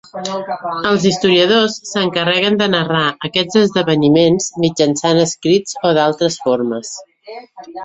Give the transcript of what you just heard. Els historiadors s'encarreguen de narrar aquests esdeveniments, mitjançant escrits o d'altres formes.